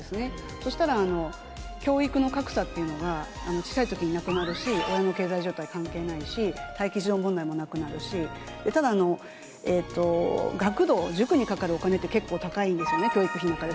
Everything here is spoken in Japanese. そしたら、教育の格差っていうのが、小さいときになくなるし、親の経済状態、関係ないし、待機児童問題もなくなるし、ただ、学童、塾にかかるお金って結構、高いんですよね、教育費の中で。